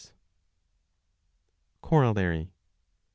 S45 COROLLARY.